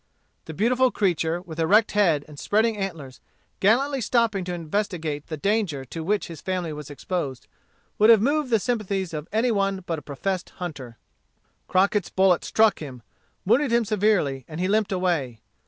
The beautiful creature, with erect head and spreading antlers, gallantly stopping to investigate the danger to which his family was exposed, would have moved the sympathies of any one but a professed hunter. Crockett's bullet struck him, wounded him severely, and he limped away.